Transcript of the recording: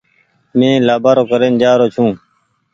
مين لآبآرو ڪرين جآرو ڇون۔